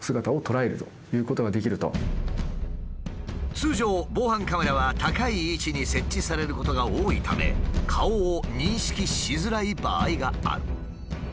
通常防犯カメラは高い位置に設置されることが多いため顔を認識しづらい場合がある。